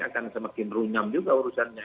akan semakin runyam juga urusannya